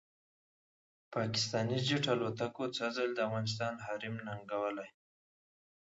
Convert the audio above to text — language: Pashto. پاکستاني جېټ الوتکو څو ځله د افغانستان حریم ننګولی